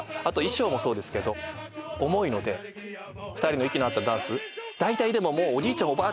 あと衣装もそうですけど重いので２人の息の合ったダンス大体でもおじいちゃん